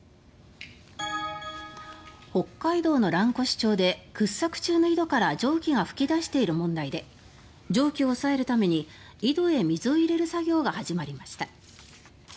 北海道の蘭越町で掘削中の井戸から蒸気が噴き出している問題で蒸気を抑えるために井戸へ水を入れる作業が始まりました。